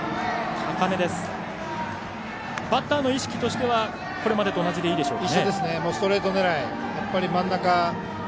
バッターの意識としてはこれまでと一緒でいいですか。